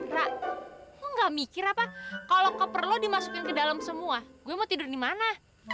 ra lo gak mikir apa kalo koper lo dimasukin ke dalam semua gue mau tidur dimana